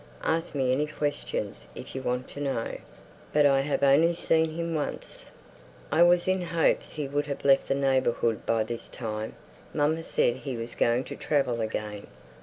Ask me any questions, if you want to know, but I have only seen him once." "I was in hopes he would have left the neighbourhood by this time. Mamma said he was going to travel again."